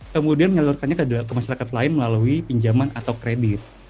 kemudian menyalurkannya ke masyarakat lain melalui pinjaman atau kredit